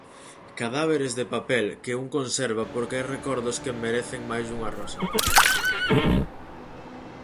Cadáveres de papel que un conserva porque hai recordos que merecen máis dunha rosa.